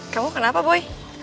kamu kenapa boy